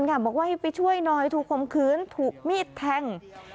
บอกว่าให้ไปช่วยหน่อยถูกคมคืนถูกมีดแทง